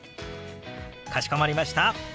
かしこまりました。